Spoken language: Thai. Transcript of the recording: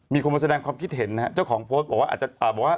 มีคนมาแสดงความคิดเห็นนะครับเจ้าของโพสต์บอกว่า